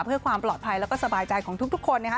เพื่อความปลอดภัยแล้วก็สบายใจของทุกคนนะคะ